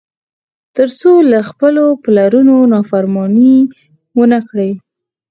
تر څو له خپلو پلرونو نافرماني ونه کړي.